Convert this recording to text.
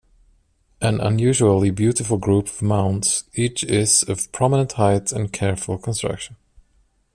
An unusually beautiful group of mounds, each is of prominent height and careful construction.